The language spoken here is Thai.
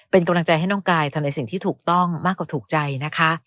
เป็นกำลังใจให้น้องกายทำในสิ่งที่ถูกต้องมากกว่าถูกใจนะคะ